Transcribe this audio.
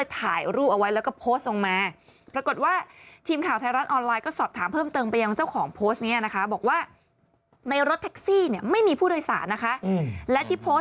แต่ปรากฏว่าเขาดูอะไร